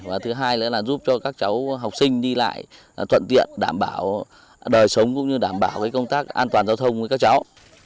và thứ hai là giúp cho các cháu học sinh đi lại thuận tiện đảm bảo đời sống cũng như đảm bảo công tác an toàn giao thông với các cháu